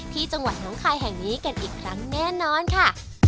ที่จังหวัดน้องคายแห่งนี้กันอีกครั้งแน่นอนค่ะ